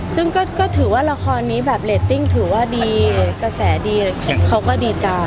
ซึ่งก็ถือว่าละครนี้แบบเรตติ้งถือว่าดีกระแสดีเขาก็ดีใจ